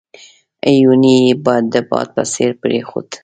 هیوني یې د باد په څېر پرېښود.